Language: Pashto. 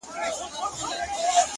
گرانه دا اوس ستا د ځوانۍ په خاطر!